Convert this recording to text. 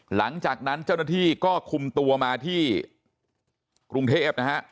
หลังจากนั้นเจ้าหน้าที่ก็คุมตัวมาที่กรุงเทพนะฮะ